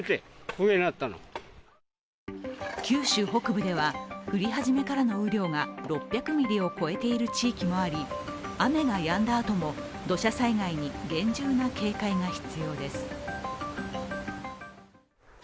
九州北部では降り始めからの雨量が６００ミリを超えている地域もあり、雨がやんだあとも、土砂災害に厳重な警戒が必要です。